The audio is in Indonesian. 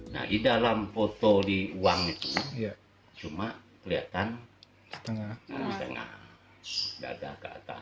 nah di dalam foto di uang itu cuma kelihatan setengah